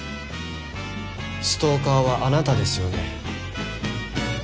ストーカーはあなたですよね？